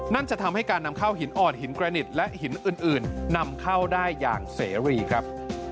จะทำให้การนำเข้าหินอ่อนหินกระนิดและหินอื่นนำเข้าได้อย่างเสรีครับ